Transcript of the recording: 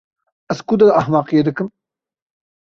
Ez di ku de ehmeqiyê dikim?